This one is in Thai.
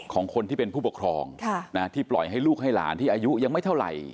ของคนที่เป็นผู้ปกครองที่ปล่อยให้ลูกให้หลานที่อายุยังไม่เท่าไหร่